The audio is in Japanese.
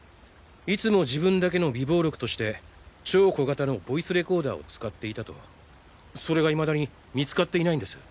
いつも自分だけの備忘録として超小型のボイスレコーダーを使っていたとそれがいまだに見つかっていないんです。